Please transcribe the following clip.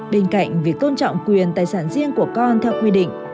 bên cạnh việc tôn trọng quyền tài sản riêng của con theo quy định